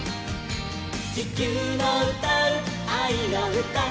「地球のうたうあいのうた」